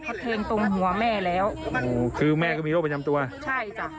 เขาแทงตรงหัวแม่แล้วโอ้โหคือแม่ก็มีโรคประจำตัวใช่จ้ะ